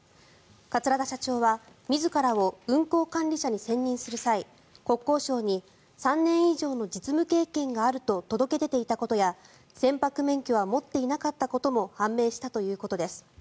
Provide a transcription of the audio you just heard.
桂田社長は自らを運航管理者に選任する際国交省に３年以上の実務経験があると届け出ていたことや船舶免許は持っていなかったことも判明したということです。